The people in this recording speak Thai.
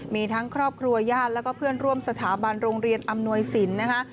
มีทั้งครอบครัวย่านและเพื่อนร่วมสถาบันโรงเรียนอำนวยศิลป์นะฮะ